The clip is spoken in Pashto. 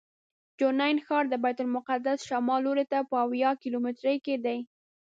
جنین ښار د بیت المقدس شمال لوري ته په اویا کیلومترۍ کې دی.